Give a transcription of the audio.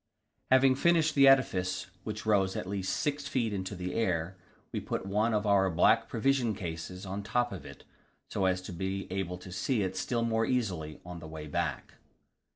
Having finished the edifice, which rose at least 6 feet into the air, we put one of our black provision cases on the top of it, so as to be able to see it still more easily on the way back.